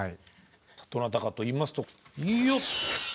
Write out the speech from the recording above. どなたかといいますとよっ！